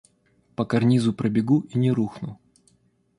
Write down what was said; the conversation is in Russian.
По карнизу пробегу и не рухну.